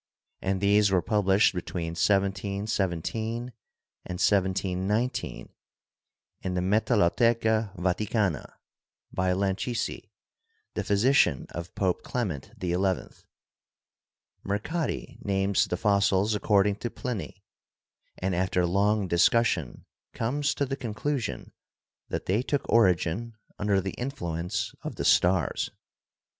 and these were published be GEOLOGY AND THE CHURCH 37 tween 1717 and 1719 in the "Metallotheca Vaticana" by Lancisi, the physician of Pope Clement XI. Mercati names the fossils according to Pliny, and after long dis cussion comes to the conclusion that they took origin under the influence of the stars.